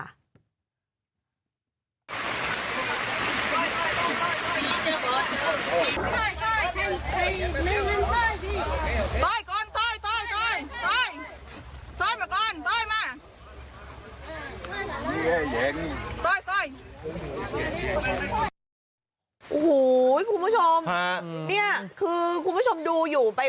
โอ้โหคุณผู้ชมนี่คือคุณผู้ชมดูอยู่ไป